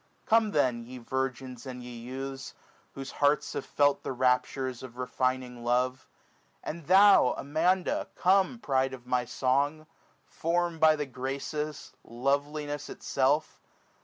Come then, ye virgins and ye youths, whose hearts Have felt the raptures of refining love ; And thou, Amanda, come, pride of my song ! 480 Formed by the Graces, loveliness itself!